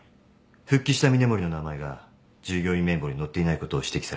復帰した峰森の名前が従業員名簿に載っていないことを指摘された。